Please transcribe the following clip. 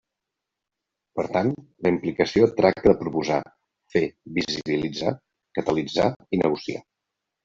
Per tant la implicació tracta de proposar, fer, visibilitzar, catalitzar i negociar.